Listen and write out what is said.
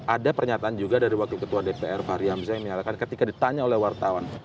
ada pernyataan juga dari wakil ketua dpr fahri hamzah yang menyatakan ketika ditanya oleh wartawan